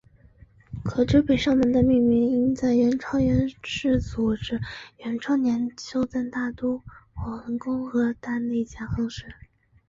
可知北上门的命名应在元朝元世祖至元初年修建大都皇宫和大内夹垣时。